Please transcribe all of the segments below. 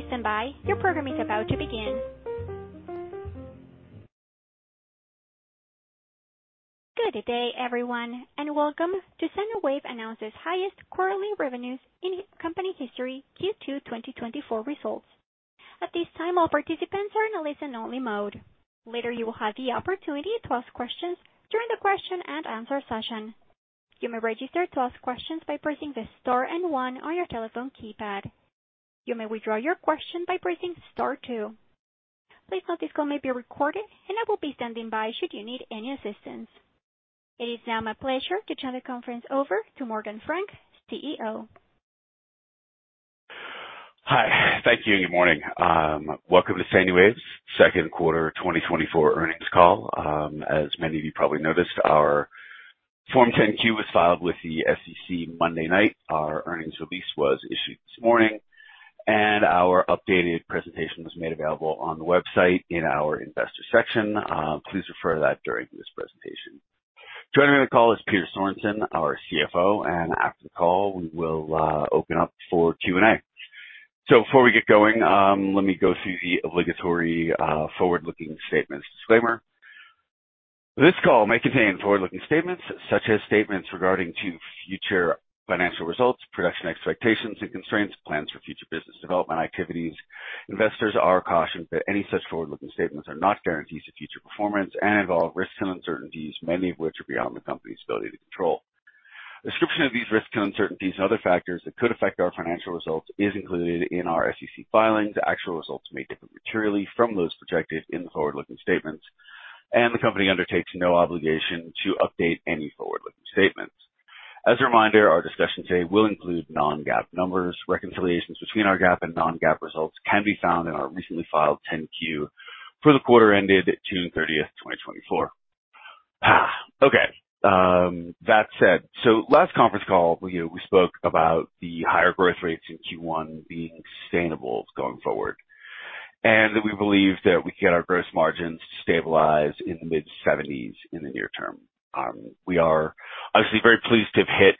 Please stand by, your program is about to begin. Good day, everyone, and welcome to SANUWAVE Announces Highest Quarterly Revenues in Company History, Q2 2024 Results. At this time, all participants are in a listen-only mode. Later, you will have the opportunity to ask questions during the question and answer session. You may register to ask questions by pressing the star and one on your telephone keypad. You may withdraw your question by pressing star two. Please note this call may be recorded and I will be standing by should you need any assistance. It is now my pleasure to turn the conference over to Morgan Frank, CEO. Hi. Thank you, and good morning. Welcome to SANUWAVE's second quarter 2024 earnings call. As many of you probably noticed, our Form 10-Q was filed with the SEC Monday night. Our earnings release was issued this morning, and our updated presentation was made available on the website in our investor section. Please refer to that during this presentation. Joining me on the call is Peter Sorensen, our CFO, and after the call, we will open up for Q&A. Before we get going, let me go through the obligatory forward-looking statements disclaimer. This call may contain forward-looking statements such as statements regarding to future financial results, production expectations and constraints, plans for future business development activities. Investors are cautioned that any such forward-looking statements are not guarantees of future performance and involve risks and uncertainties, many of which are beyond the company's ability to control. Description of these risks and uncertainties and other factors that could affect our financial results is included in our SEC filings. Actual results may differ materially from those projected in the forward-looking statements, and the company undertakes no obligation to update any forward-looking statements. As a reminder, our discussion today will include non-GAAP numbers. Reconciliations between our GAAP and non-GAAP results can be found in our recently filed 10-Q for the quarter ended June 30, 2024. Okay, that said, so last conference call, you know, we spoke about the higher growth rates in Q1 being sustainable going forward, and that we believe that we can get our gross margins to stabilize in the mid-70s in the near term. We are obviously very pleased to have hit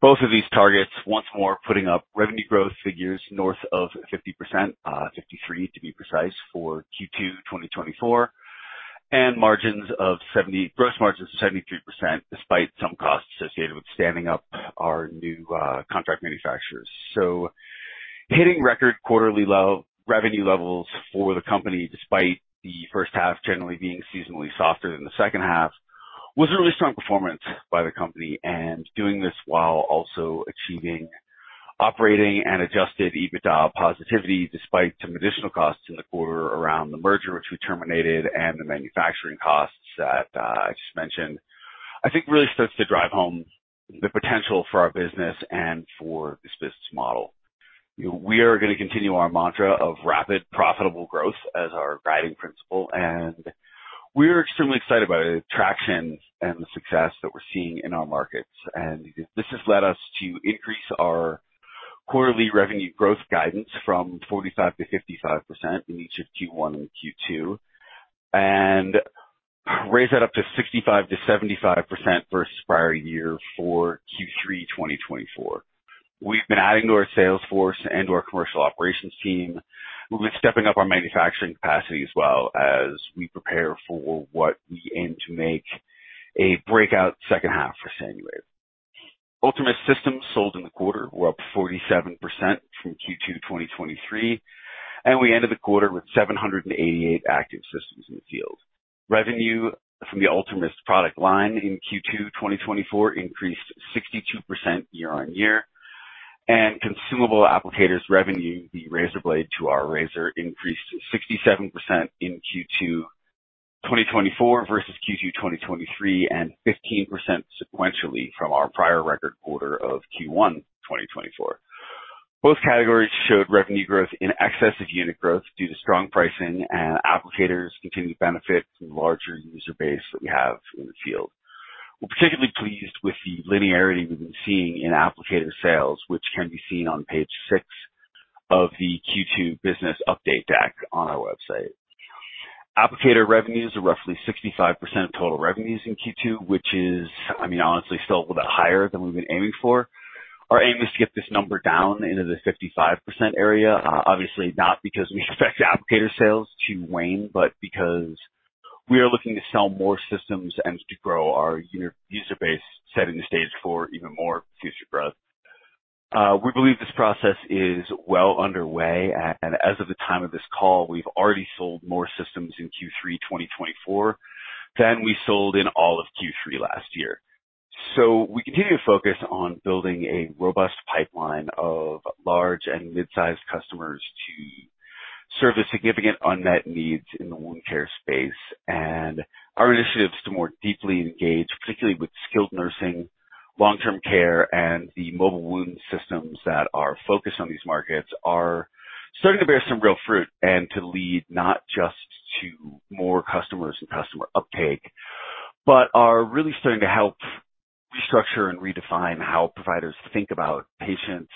both of these targets once more, putting up revenue growth figures north of 50%, 53, to be precise, for Q2, 2024, and margins of seventy, gross margins of 73%, despite some costs associated with standing up our new, contract manufacturers. So hitting record quarterly level revenue levels for the company, despite the first half generally being seasonally softer than the second half, was a really strong performance by the company, and doing this while also achieving operating and Adjusted EBITDA positivity, despite some additional costs in the quarter around the merger, which we terminated, and the manufacturing costs that, I just mentioned, I think really starts to drive home the potential for our business and for this business model. We are gonna continue our mantra of rapid, profitable growth as our guiding principle, and we're extremely excited about the traction and the success that we're seeing in our markets. And this has led us to increase our quarterly revenue growth guidance from 45%-55% in each of Q1 and Q2, and raise that up to 65%-75% versus prior year for Q3 2024. We've been adding to our sales force and to our commercial operations team. We've been stepping up our manufacturing capacity as well, as we prepare for what we aim to make a breakout second half for SANUWAVE. UltraMIST systems sold in the quarter were up 47% from Q2 2023, and we ended the quarter with 788 active systems in the field. Revenue from the UltraMIST product line in Q2 2024 increased 62% year-on-year, and consumable applicators revenue, the razor blade to our razor, increased 67% in Q2 2024 versus Q2 2023, and 15% sequentially from our prior record quarter of Q1 2024. Both categories showed revenue growth in excess of unit growth due to strong pricing and applicators continuing to benefit from the larger user base that we have in the field. We're particularly pleased with the linearity we've been seeing in applicator sales, which can be seen on page 6 of the Q2 business update deck on our website. Applicator revenues are roughly 65% of total revenues in Q2, which is, I mean, honestly, still a little bit higher than we've been aiming for. Our aim is to get this number down into the 55% area. Obviously not because we expect applicator sales to wane, but because we are looking to sell more systems and to grow our end-user base, setting the stage for even more future growth. We believe this process is well underway, and as of the time of this call, we've already sold more systems in Q3 2024 than we sold in all of Q3 last year. So we continue to focus on building a robust pipeline of large and mid-sized customers to serve the significant unmet needs in the wound care space. And our initiatives to more deeply engage, particularly with skilled nursing, long-term care, and the mobile wound systems that are focused on these markets, are starting to bear some real fruit, and to lead not just to more customers and customer uptake, but are really starting to help restructure and redefine how providers think about patients,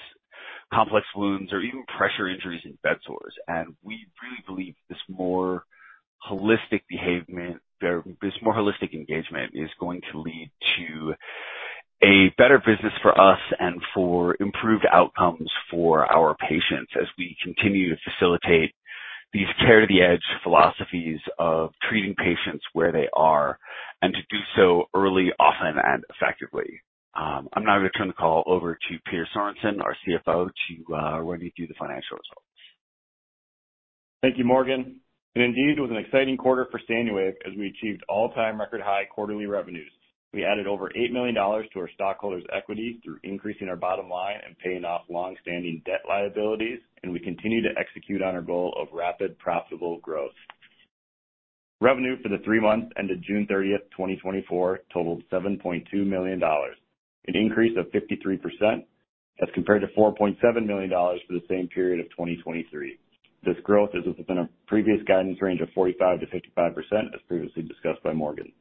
complex wounds, or even pressure injuries and bedsores. And we really believe this more holistic engagement is going to lead to a better business for us and for improved outcomes for our patients as we continue to facilitate these care-to-the-edge philosophies of treating patients where they are, and to do so early, often, and effectively. I'm now going to turn the call over to Peter Sorensen, our CFO, to walk you through the financial results. Thank you, Morgan. Indeed, it was an exciting quarter for SANUWAVE as we achieved all-time record high quarterly revenues. We added over $8 million to our stockholders' equity through increasing our bottom line and paying off long-standing debt liabilities, and we continue to execute on our goal of rapid, profitable growth. Revenue for the three months ended June 30, 2024, totaled $7.2 million, an increase of 53% as compared to $4.7 million for the same period of 2023. This growth is within our previous guidance range of 45%-55%, as previously discussed by Morgan.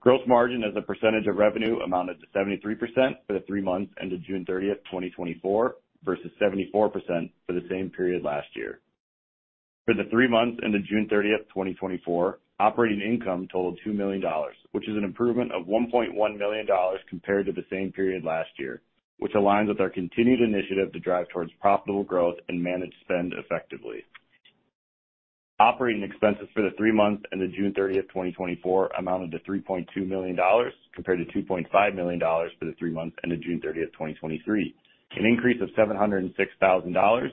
Gross margin as a percentage of revenue amounted to 73% for the three months ended June 30, 2024, versus 74% for the same period last year. For the three months ended June 30, 2024, operating income totaled $2 million, which is an improvement of $1.1 million compared to the same period last year, which aligns with our continued initiative to drive towards profitable growth and manage spend effectively. Operating expenses for the three months ended June 30, 2024, amounted to $3.2 million, compared to $2.5 million for the three months ended June 30, 2023, an increase of $706,000.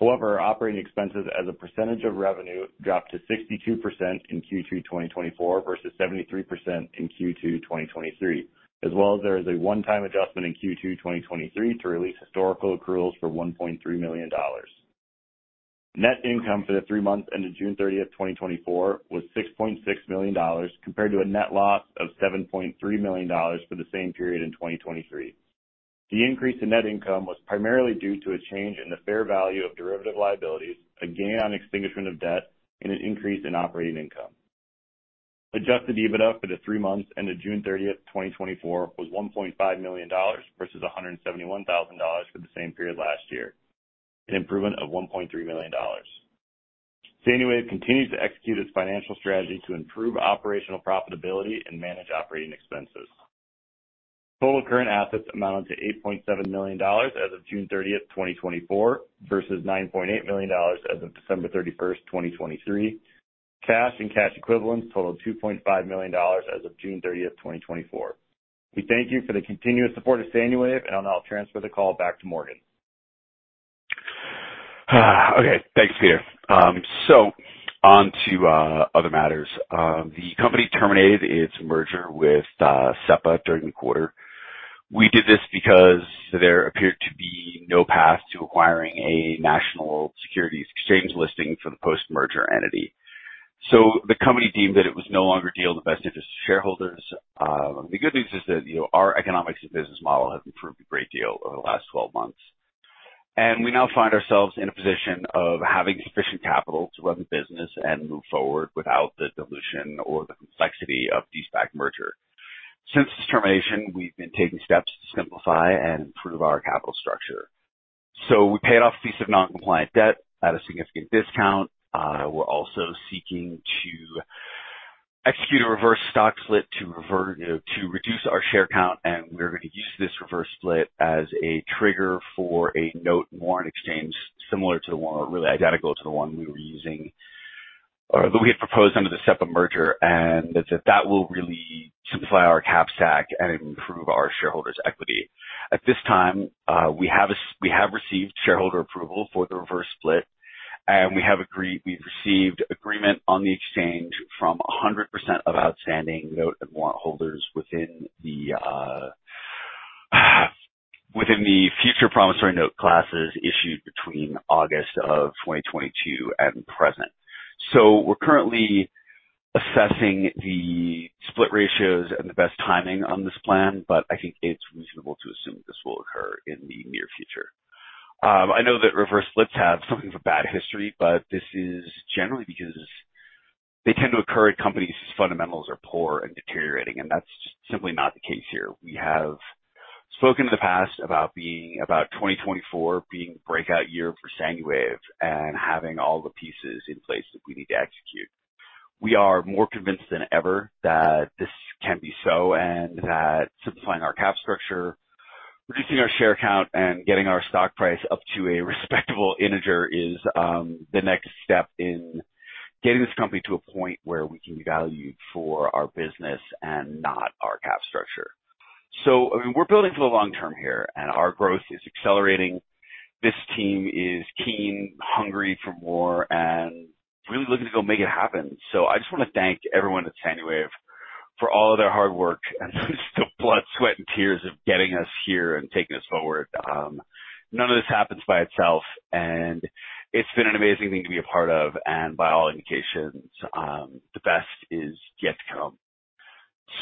However, operating expenses as a percentage of revenue dropped to 62% in Q2 2024 versus 73% in Q2 2023, as well as there is a one-time adjustment in Q2 2023 to release historical accruals for $1.3 million. Net income for the three months ended June 30, 2024, was $6.6 million, compared to a net loss of $7.3 million for the same period in 2023. The increase in net income was primarily due to a change in the fair value of derivative liabilities, a gain on extinguishment of debt, and an increase in operating income. Adjusted EBITDA for the three months ended June 30, 2024, was $1.5 million versus $171,000 for the same period last year, an improvement of $1.3 million. SANUWAVE continues to execute its financial strategy to improve operational profitability and manage operating expenses. Total current assets amounted to $8.7 million as of June 30, 2024, versus $9.8 million as of December 31, 2023. Cash and cash equivalents totaled $2.5 million as of June 30, 2024. We thank you for the continuous support of SANUWAVE, and I'll now transfer the call back to Morgan. Okay. Thanks, Peter. So on to other matters. The company terminated its merger with SEPA during the quarter. We did this because there appeared to be no path to acquiring a national securities exchange listing for the post-merger entity. So the company deemed that it was no longer deal in the best interest of shareholders. The good news is that, you know, our economics and business model have improved a great deal over the last 12 months, and we now find ourselves in a position of having sufficient capital to run the business and move forward without the dilution or the complexity of de-SPAC merger. Since this termination, we've been taking steps to simplify and improve our capital structure. So we paid off a piece of non-compliant debt at a significant discount. We're also seeking to execute a reverse stock split to revert, you know, to reduce our share count, and we're going to use this reverse split as a trigger for a note and warrant exchange similar to the one, or really identical to the one we were using, or that we had proposed under the SEPA merger, and that will really simplify our cap stack and improve our shareholders' equity. At this time, we have received shareholder approval for the reverse split, and we have agreed. We've received agreement on the exchange from 100% of outstanding note and warrant holders within the future promissory note classes issued between August of 2022 and present. So we're currently assessing the split ratios and the best timing on this plan, but I think it's reasonable to assume this will occur in the near future. I know that reverse splits have something of a bad history, but this is generally because they tend to occur at companies whose fundamentals are poor and deteriorating, and that's just simply not the case here. We have spoken in the past about 2024 being the breakout year for SANUWAVE and having all the pieces in place that we need to execute. We are more convinced than ever that this can be so, and that simplifying our cap structure, reducing our share count, and getting our stock price up to a respectable integer is the next step in getting this company to a point where we can be valued for our business and not our cap structure. So, I mean, we're building for the long term here, and our growth is accelerating. This team is keen, hungry for more, and really looking to go make it happen. So I just want to thank everyone at SANUWAVE for all of their hard work and just the blood, sweat, and tears of getting us here and taking us forward. None of this happens by itself, and it's been an amazing thing to be a part of, and by all indications, the best is yet to come.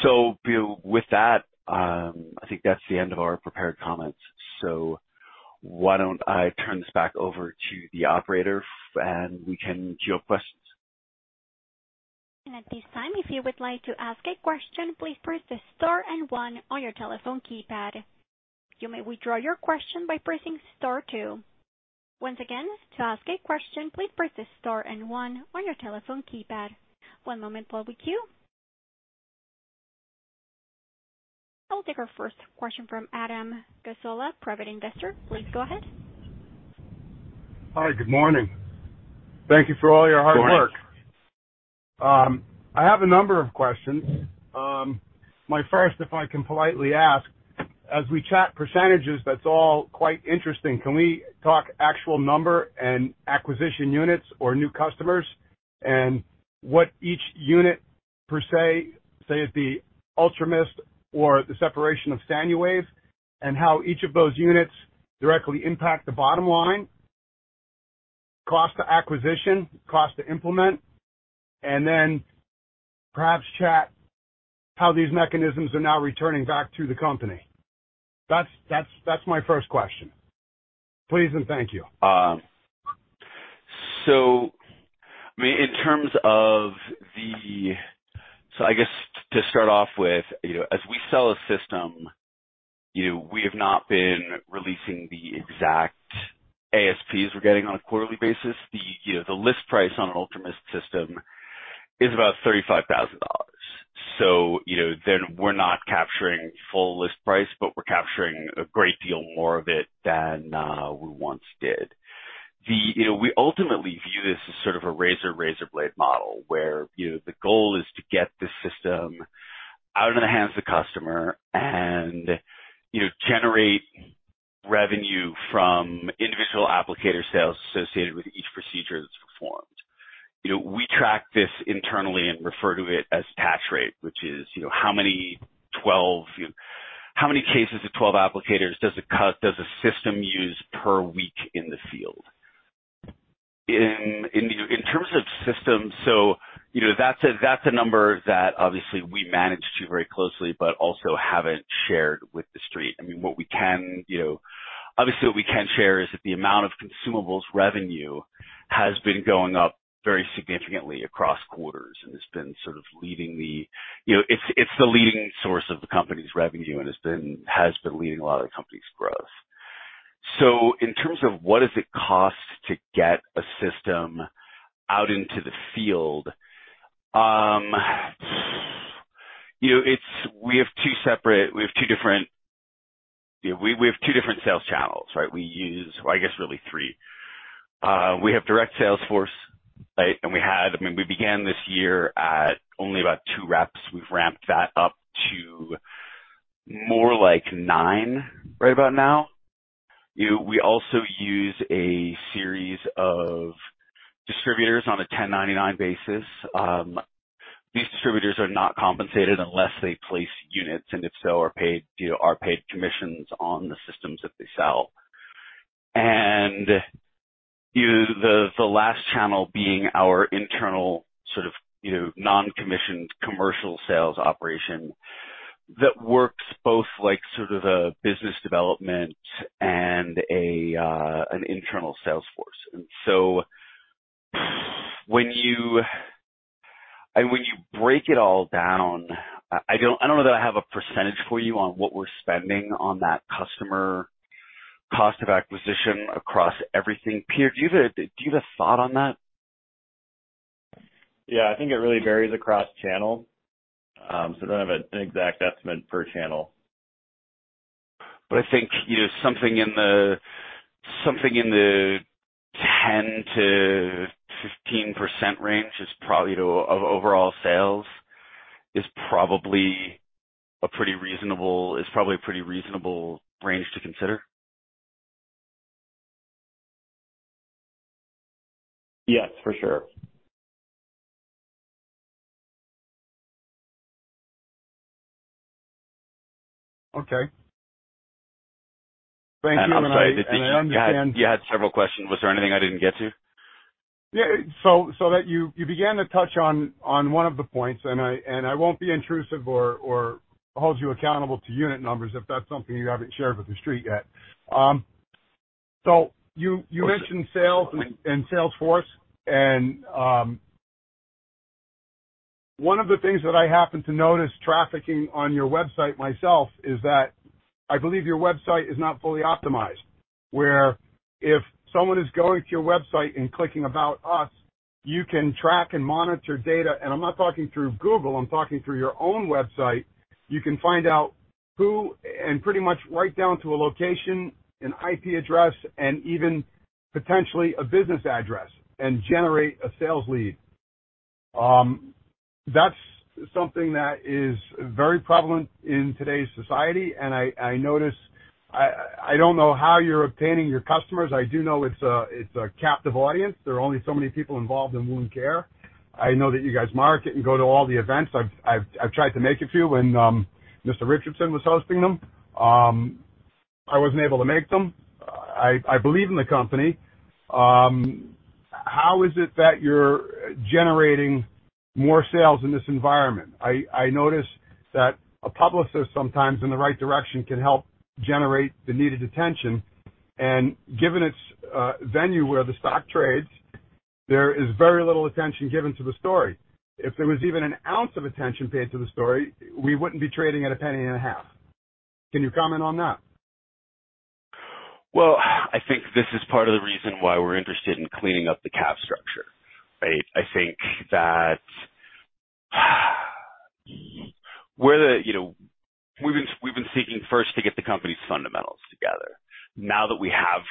So, you know, with that, I think that's the end of our prepared comments. So why don't I turn this back over to the operator, and we can field questions. And at this time, if you would like to ask a question, please press star and one on your telephone keypad. You may withdraw your question by pressing star two. Once again, to ask a question, please press star and one on your telephone keypad. One moment while we queue. I will take our first question from Adam Gazzola, private investor. Please go ahead. Hi, good morning. Thank you for all your hard work. Good morning. I have a number of questions. My first, if I can politely ask, as we chat percentages, that's all quite interesting. Can we talk actual number and acquisition units or new customers and what each unit per se, say, is the UltraMIST or the separation of SANUWAVE, and how each of those units directly impact the bottom line, cost to acquisition, cost to implement, and then perhaps chat how these mechanisms are now returning back to the company? That's my first question. Please, and thank you. I mean, in terms of the, so I guess to start off with, you know, as we sell a system, you know, we have not been releasing the exact ASPs we're getting on a quarterly basis. The, you know, the list price on an UltraMIST system is about $35,000. So, you know, then we're not capturing full list price, but we're capturing a great deal more of it than we once did. You know, we ultimately view this as sort of a razor, razor blade model, where, you know, the goal is to get the system out in the hands of the customer and, you know, generate revenue from individual applicator sales associated with each procedure that's performed. You know, we track this internally and refer to it as patch rate, which is, you know, how many 12, you know, how many cases of 12 applicators does a system use per week in the field? In terms of systems, so, you know, that's a number that obviously we manage to very closely, but also haven't shared with the street. I mean, what we can, you know, obviously, what we can share is that the amount of consumables revenue has been going up very significantly across quarters and has been sort of leading the... You know, it's the leading source of the company's revenue and has been leading a lot of the company's growth. So in terms of what does it cost to get a system out into the field, you know, we have two different sales channels, right? We use... Well, I guess really three. We have direct sales force, right? And I mean, we began this year at only about 2 reps. We've ramped that up to more like 9, right about now. You know, we also use a series of distributors on a 1099 basis. These distributors are not compensated unless they place units, and if so, are paid, you know, commissions on the systems that they sell. And, you know, the last channel being our internal sort of, you know, non-commissioned commercial sales operation that works both like sort of a business development and an internal sales force. And so, when you break it all down, I don't know that I have a percentage for you on what we're spending on that customer cost of acquisition across everything. Peter, do you have a thought on that? Yeah, I think it really varies across channels. So, I don't have an exact estimate per channel. I think, you know, something in the 10%-15% range is probably, you know, of overall sales, a pretty reasonable range to consider. Yes, for sure. Okay. Thank you. I'm sorry, you had several questions. Was there anything I didn't get to? Yeah. So, so that you, you began to touch on, on one of the points, and I, and I won't be intrusive or, or hold you accountable to unit numbers if that's something you haven't shared with the street yet. So you, you mentioned sales and, and Salesforce, and, one of the things that I happen to notice traffic on your website myself, is that I believe your website is not fully optimized. Where if someone is going to your website and clicking about us, you can track and monitor data, and I'm not talking through Google, I'm talking through your own website. You can find out who, and pretty much right down to a location, an IP address, and even potentially a business address, and generate a sales lead. That's something that is very prevalent in today's society, and I, I notice... I don't know how you're obtaining your customers. I do know it's a captive audience. There are only so many people involved in wound care. I know that you guys market and go to all the events. I've tried to make a few when Mr. Richardson was hosting them. I wasn't able to make them. I believe in the company. How is it that you're generating more sales in this environment? I notice that a publicist sometimes in the right direction can help generate the needed attention, and given its venue where the stock trades. There is very little attention given to the story. If there was even an ounce of attention paid to the story, we wouldn't be trading at a penny and a half. Can you comment on that? Well, I think this is part of the reason why we're interested in cleaning up the cap structure, right? I think that, you know, we've been seeking first to get the company's fundamentals together. Now that we have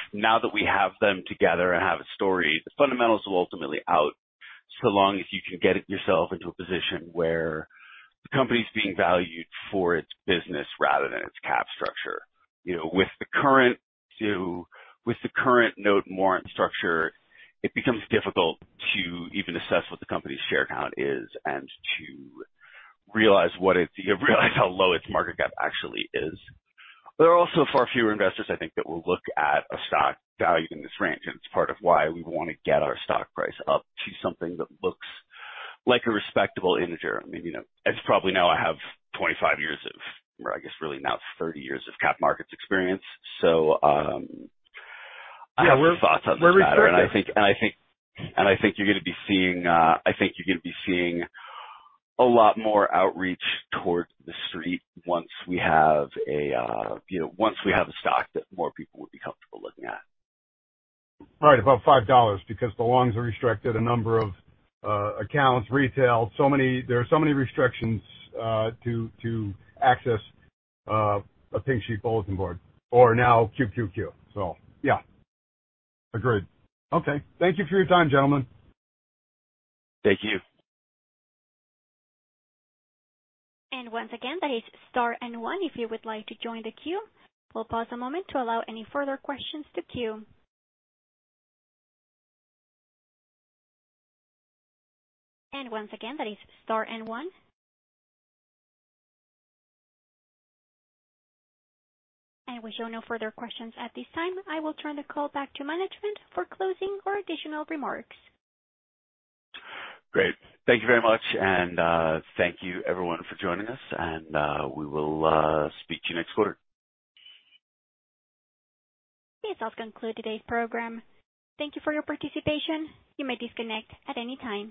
them together and have a story, the fundamentals will ultimately out, so long as you can get yourself into a position where the company's being valued for its business rather than its cap structure. You know, with the current note warrant structure, it becomes difficult to even assess what the company's share count is and to realize what it... realize how low its market cap actually is. There are also far fewer investors, I think, that will look at a stock valued in this range, and it's part of why we want to get our stock price up to something that looks like a respectable integer. I mean, you know, as you probably know, I have 25 years of, or I guess really now 30 years of cap markets experience. So, I have thoughts on this matter. And I think you're gonna be seeing a lot more outreach toward the street once we have a, you know, once we have a stock that more people would be comfortable looking at. Right, about $5, because the longs are restricted, a number of accounts, retail, so many—there are so many restrictions to access a Pink Sheet bulletin board, or now QQQ. So yeah, agreed. Okay. Thank you for your time, gentlemen. Thank you. And once again, that is star and one, if you would like to join the queue. We'll pause a moment to allow any further questions to queue. And once again, that is star and one. With no further questions at this time. I will turn the call back to management for closing or additional remarks. Great. Thank you very much, and thank you everyone for joining us, and we will speak to you next quarter. This does conclude today's program. Thank you for your participation. You may disconnect at any time.